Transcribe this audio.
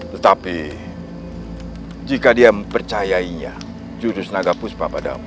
tetapi jika dia mempercayainya jurus naga puspa padamu